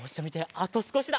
あとすこしだ。